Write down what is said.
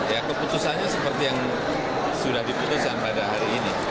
ya keputusannya seperti yang sudah diputuskan pada hari ini